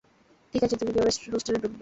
ঠিক আছে, তুমি কিভাবে হোস্টেলে ডুকবে?